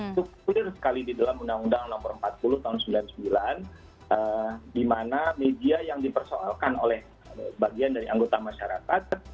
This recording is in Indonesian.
itu clear sekali di dalam undang undang nomor empat puluh tahun seribu sembilan ratus sembilan puluh sembilan di mana media yang dipersoalkan oleh bagian dari anggota masyarakat